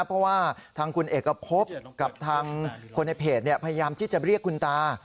เพราะว่าทางคุณเอกพบกับทางคนในเพจพยายามที่จะเรียกคุณตา